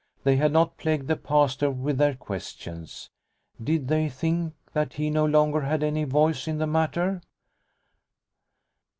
They had not plagued the Pastor with their questions. Did they think that he no longer had any voice in the matter